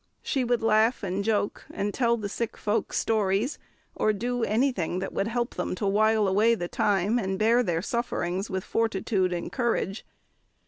She would laugh and joke, and tell the sick folks stories, or do anything that would help them to while away the time and bear their sufferings with fortitude and courage.